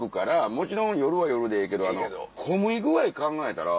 もちろん夜は夜でええけどあの混み具合考えたら。